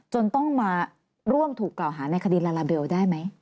จนต้องมาร่วมถูกกล่าวหาในคดีลาลาเบลได้ไหม